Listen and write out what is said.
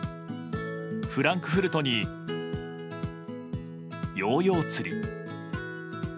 フランクフルトにヨーヨー釣り。